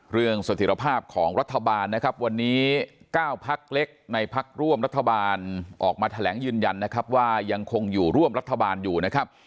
สถิตภาพของรัฐบาลนะครับวันนี้๙พักเล็กในพักร่วมรัฐบาลออกมาแถลงยืนยันนะครับว่ายังคงอยู่ร่วมรัฐบาลอยู่นะครับ